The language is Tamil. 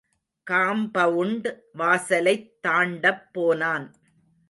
காம்பவுண்ட் வாசலைத் தாண்டப் போனான்.